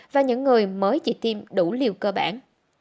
và những người mới chỉ tiêm đủ liều cơ bản